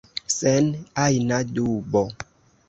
Sen ajna dubo.